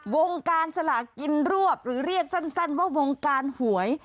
วงการสลากินรวบหรือเรียกสั้นว่าวงการหวย